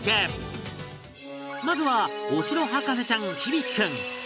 まずはお城博士ちゃん響大君